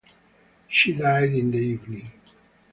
She died in the evening.